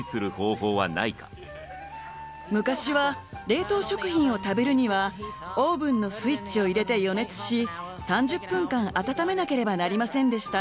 昔は冷凍食品を食べるにはオーブンのスイッチを入れて予熱し３０分間温めなければなりませんでした。